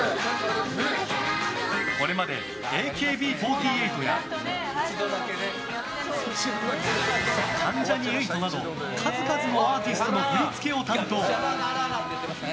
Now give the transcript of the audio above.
これまでＡＫＢ４８や関ジャニ∞など数々のアーティストの振り付けを担当。